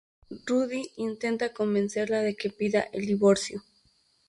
Rudy intenta convencerla de que pida el divorcio.